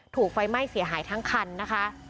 ถูกไฟไหม้เสียหายทั้งคันนะคะ